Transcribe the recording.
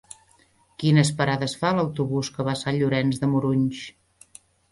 Quines parades fa l'autobús que va a Sant Llorenç de Morunys?